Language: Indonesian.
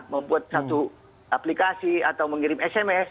membuat satu aplikasi atau mengirim sms